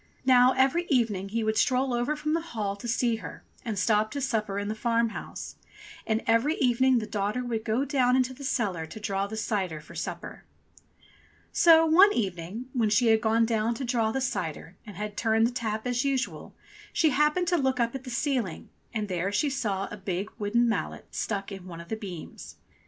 Now every evening he would stroll over from the Hall to see her and stop to supper in the farm house, and every evening the daughter would go down into the cellar to draw the cider for supper. So one evening when she had gone down to draw the cider and had turned the tap as usual, she happened to look up at the ceiling, and there she saw a big wooden mallet stuck in one of the beams.